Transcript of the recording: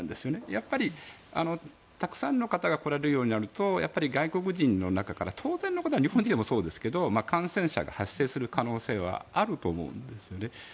やっぱり、たくさんの方が来られるようになると外国人の中から当然ながら日本人の中からも感染者が発生する可能性はあると思うんですよね。